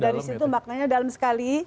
dari situ maknanya dalam sekali